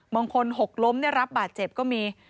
บางคนหกล้มรับบาดเจ็บก็มี